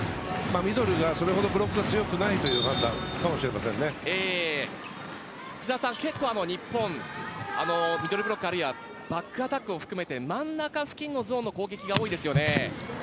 ミドルがそれほどブロックが強くない福澤さん、結構日本はミドルブロッカーあるいはバックアタックを含めて真ん中付近のゾーンの攻撃が多いですね。